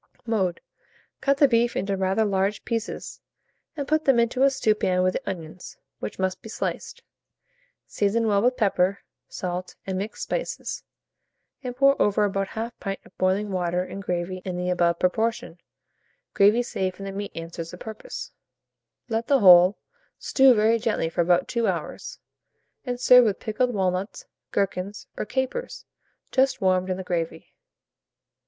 Mode. Cut the beef into rather large pieces, and put them into a stewpan with the onions, which must be sliced. Season well with pepper, salt, and mixed spices, and pour over about 1/2 pint of boiling water, and gravy in the above proportion (gravy saved from the meat answers the purpose); let the whole stew very gently for about 2 hours, and serve with pickled walnuts, gherkins, or capers, just warmed in the gravy.